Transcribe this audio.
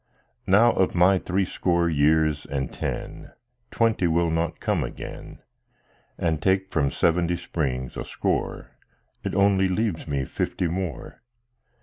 Now, of my threescore years and ten, Twenty will not come again, And take from seventy springs a score, It only leaves me fifty more.